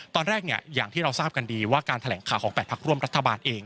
ตอนแรกอย่างที่เราทราบกันดีว่าการแถลงข่าวของ๘พักร่วมรัฐบาลเอง